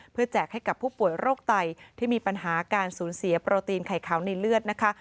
แจกให้กับผู้ป่วยโรคไตที่มีปัญหาการสูญเสียโปรตีนไข่ขาวในเลือดนะคะ